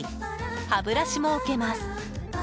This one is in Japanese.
歯ブラシも置けます。